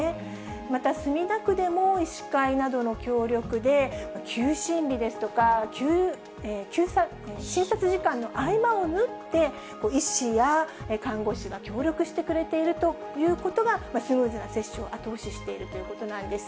また墨田区でも、医師会などの協力で、休診日ですとか、診察時間の合間を縫って、医師や看護師が協力してくれているということが、スムーズな接種を後押ししているということなんです。